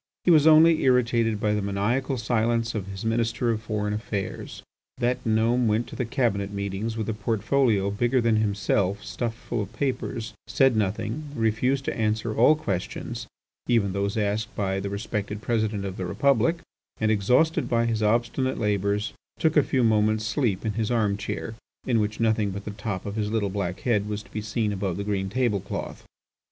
He was only irritated by the maniacal silence of his Minister of Foreign Affairs. That gnome went to the Cabinet meetings with a portfolio bigger than himself stuffed full of papers, said nothing, refused to answer all questions, even those asked him by the respected President of the Republic, and, exhausted by his obstinate labours, took a few moments' sleep in his arm chair in which nothing but the top of his little black head was to be seen above the green tablecloth.